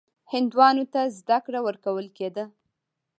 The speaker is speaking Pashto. هندوانو ته زده کړه ورکول کېده.